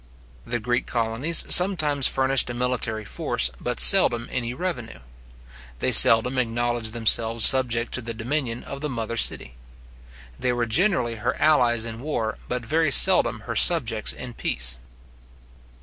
The Greek colonies sometimes furnished a military force, but seldom any revenue. They seldom acknowledged themselves subject to the dominion of the mother city. They were generally her allies in war, but very seldom her subjects in peace.